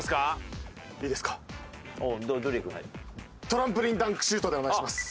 トランポリンダンクシュートでお願いします。